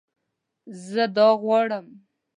زه دا غواړم